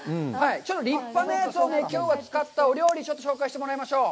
ちょっと立派なやつをきょうは使ったお料理を紹介してもらいましょう。